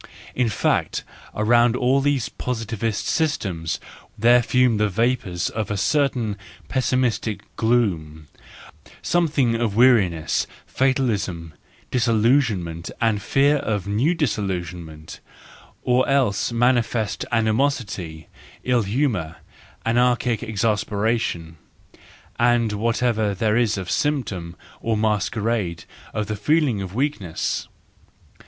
In fact, around all these positivist systems there fume the vapours of a certain pessimistic gloom, something of weari¬ ness, fatalism, disillusionment, and fear of new disillusionment—or else manifest animosity, ill humour, anarchic exasperation, and whatever there 286 THE JOYFUL WISDOM, V is of symptom or masquerade of the feeling of weakness.